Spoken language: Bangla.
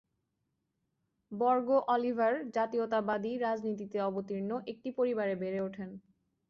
বর্গ অলিভার জাতীয়তাবাদী রাজনীতিতে অবতীর্ণ একটি পরিবারে বেড়ে ওঠেন।